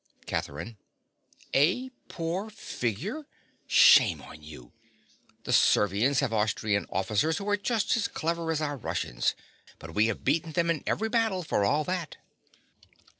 CATHERINE. A poor figure! Shame on you! The Servians have Austrian officers who are just as clever as our Russians; but we have beaten them in every battle for all that.